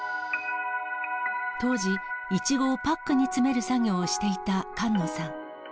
当時、イチゴをパックに詰める作業をしていた菅野さん。